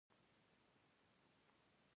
د دوی اثار نن هم د پښتو ادب یوه لویه سرمایه ده